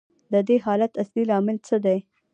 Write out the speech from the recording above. د دې حالت اصلي لامل څه دی